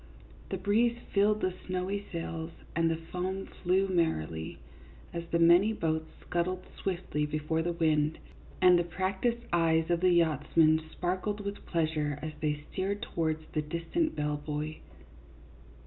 The bre"eze filled the snowy sails and the foam flew merrily, as the many boats scudded swiftly before the wind, and the practised eyes of the yachts men sparkled with pleasure as they steered towards the distant bell buoy.